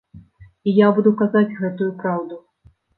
І я буду казаць гэтую праўду.